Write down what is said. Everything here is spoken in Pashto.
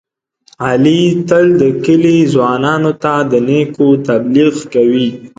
علي تل د کلي ځوانانو ته د نېکو تبلیغ کوي.